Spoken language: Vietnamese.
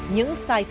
những sai sót